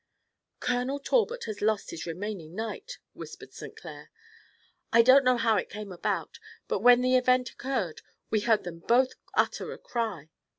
"Colonel Talbot has lost his remaining knight," whispered St. Clair. "I don't know how it came about, but when the event occurred we heard them both utter a cry.